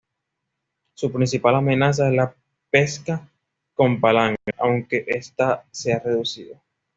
Su principal amenaza es la pesca con palangre, aunque esta se ha reducido.